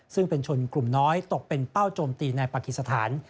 ซึ่งเป็นชนกลุ่มน้อยตกเป็นเป้าโจมตีในปากีสถาน